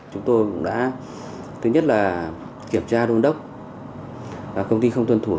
chúng tôi đã kiểm tra đôn đốc công ty không tuân thủ